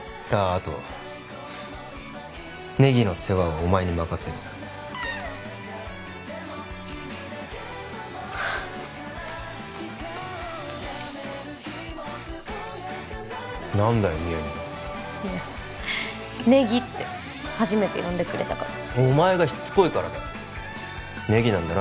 あとネギの世話はお前に任せる何だよニヤニヤいやネギって初めて呼んでくれたからお前がしつこいからだネギなんだろ？